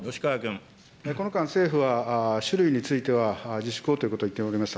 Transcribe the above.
この間、政府は酒類については自粛をということを言っておりました。